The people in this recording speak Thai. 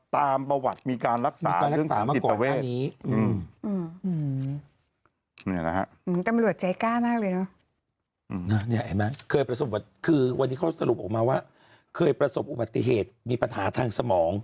ตามประวัติมีการรักษาเรื่องศึกษาบัตรประเทศ